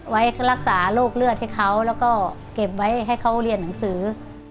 ไว้รักษาโรคเลือดให้เขาแล้วก็เก็บไว้ให้เขาเรียนหนังสือ